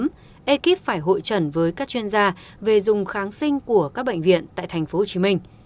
bệnh nhân vừa nhiễm ekip phải hội trần với các chuyên gia về dùng kháng sinh của các bệnh viện tại tp hcm